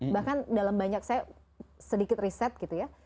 bahkan dalam banyak saya sedikit riset gitu ya